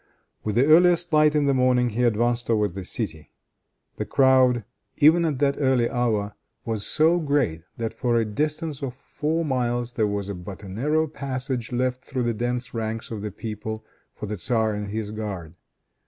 With the earliest light of the morning he advanced toward the city. The crowd, even at that early hour, was so great that, for a distance of four miles, there was but a narrow passage left through the dense ranks of the people for the tzar and his guard.